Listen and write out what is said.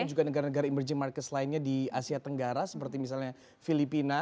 dan juga negara negara emerging markets lainnya di asia tenggara seperti misalnya filipina